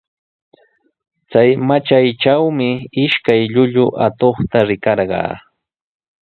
Chay matraytraqmi ishkay llullu atuqta rikarqaa.